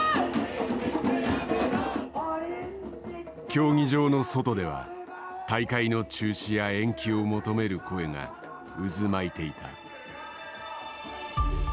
競技場の外では大会の中止や延期を求める声が渦巻いていた。